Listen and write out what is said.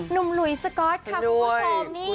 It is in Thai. นุมหลุยสก็อตนะคะคุณคนชอบนี้